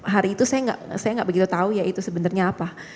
hari itu saya nggak begitu tahu ya itu sebenarnya apa